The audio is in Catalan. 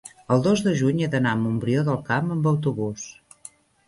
el dos de juny he d'anar a Montbrió del Camp amb autobús.